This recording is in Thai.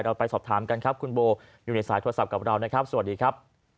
ไปสอบถามกันครับคุณโบอยู่ในสายโทรศัพท์กับเรานะครับสวัสดีครับ